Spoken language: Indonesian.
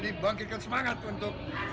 jadi bangkitkan semangat untuk